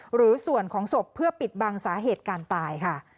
หรือส่วนของศพเพื่อปิดบังสาเหตุการตายค่ะ